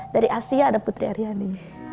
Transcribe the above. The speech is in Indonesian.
dari asia ada putri aryani